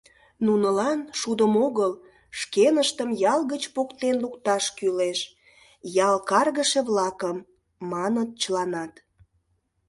Нунылан — шудым огыл, шкеныштым ял гыч поктен лукташ кӱлеш, ял каргыше-влакым», — маныт чыланат.